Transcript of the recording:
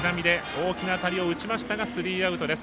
大きな当たりを打ちましたがスリーアウトです。